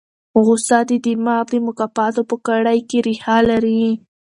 غوسه د دماغ د مکافاتو په کړۍ کې ریښه لري.